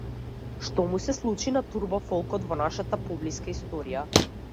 Што му се случи на турбо-фолкот во нашата поблиска историја?